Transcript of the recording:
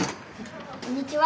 こんにちは。